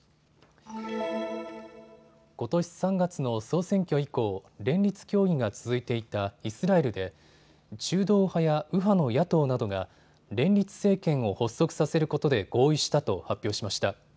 ことし３月の総選挙以降、連立協議が続いていたイスラエルで中道派や右派の野党などが連立政権を発足させることで合意したと発表しました。